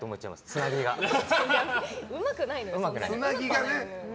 つなぎがね。